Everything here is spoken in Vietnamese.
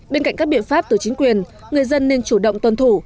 bên cạnh các biện pháp từ chính quyền người dân nên chủ động tuân thủ